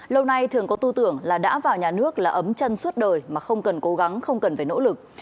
lâu nay thường có tư tưởng là đã vào nhà nước là ấm chân suốt đời mà không cần cố gắng không cần phải nỗ lực